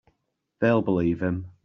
They'll believe him.